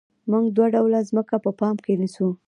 موږ دوه ډوله ځمکه په پام کې نیسو